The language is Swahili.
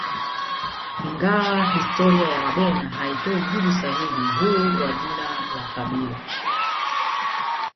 Ingawa historia ya Wabena haitoi jibu usahihi huu wa jina la kabila